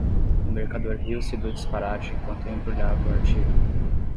O mercador riu-se do disparate enquanto embrulhava o artigo